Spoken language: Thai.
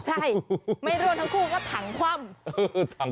ใช่ไม่ร่วงทั้งคู่ก็ถังคว่ำ